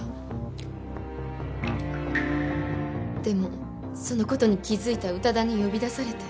でもその事に気づいた宇多田に呼び出されて。